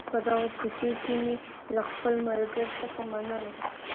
په دغه کوڅې کي مي له خپل ملګري څخه مننه